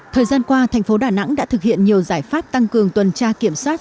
thời gian qua thành phố đà nẵng đã thực hiện nhiều giải pháp tăng cường tuần tra kiểm soát